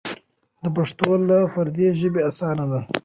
پښتو له پردۍ ژبې اسانه ده.